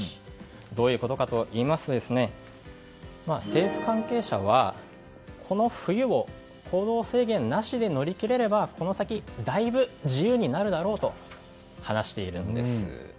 どういうことかといいますと政府関係者は、この冬を行動制限なしで乗り切れればこの先、大分自由になるだろうと話しているんです。